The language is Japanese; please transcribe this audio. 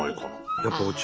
やっぱお茶。